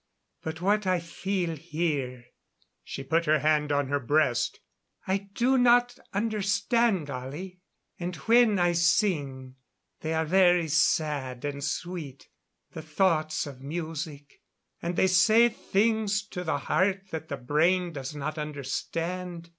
But what I feel here" she put her hand on her breast "I do not understand, Ollie. And when I sing they are very sad and sweet, the thoughts of music, and they say things to the heart that the brain does not understand.